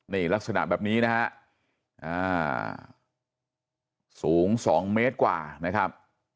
นี่ลักษณะแบบนี้นะฮะสูง๒เมตรกว่านะครับ